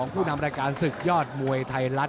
ผู้นำรายการศึกยอดมวยไทยรัฐ